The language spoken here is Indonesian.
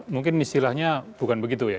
mungkin istilahnya bukan begitu ya